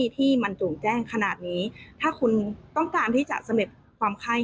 ถูกแจ้งขนาดนี้ถ้าคุณต้องการที่จะเสม็ดความไข้